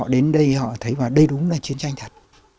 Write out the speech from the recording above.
đến đây họ thấy và đây đúng là chiến tranh thật